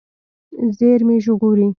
زیرمې ژغورئ.